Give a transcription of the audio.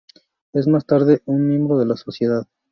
Es más tarde, un miembro de La Sociedad.